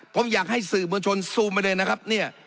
ผมอยากให้สื่อมวลชนซูมไปเลยนะครับเนี่ย